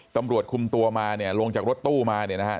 ตำรวจคุมตัวมาเนี่ยลงจากรถตู้มาเนี่ยนะครับ